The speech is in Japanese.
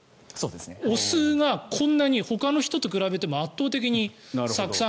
お酢がこんなにほかの人と比べても圧倒的に酢酸。